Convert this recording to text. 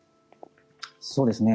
そうですね。